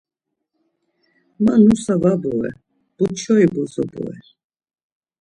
Ma nusa var bore, Buçori bozo bore.